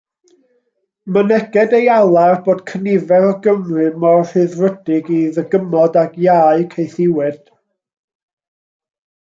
Myneged ei alar bod cynifer o Gymry mor rhyddfrydig i ddygymod ag iau caethiwed.